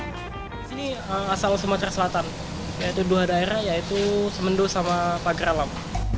ini asal sumatera selatan yaitu dua daerah yaitu semendo sama pagar alam